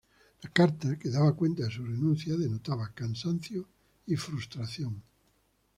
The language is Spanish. La carta que daba cuenta de su renuncia denotaba cansancio y frustración.